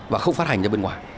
và không phát hành ra bên ngoài